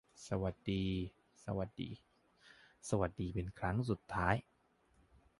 สวัสดี สวัสดี สวัสดีเป็นครั้งสุดท้าย